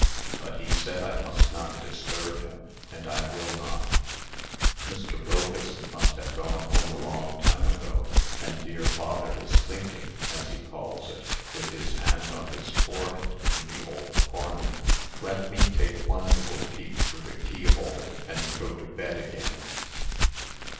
But he said I must not disturb him, and I will not. Mr. Wilkeson must have gone home a long time ago; and dear father is thinking, as he calls it, with his hand on his forehead, in the old corner. Let me take one little peep through the keyhole, and go to bed again."